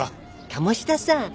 鴨志田さん